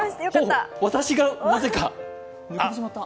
私がなぜか。